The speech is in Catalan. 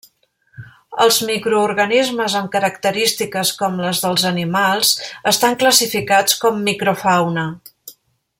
Els microorganismes amb característiques com les dels animals estan classificats com microfauna.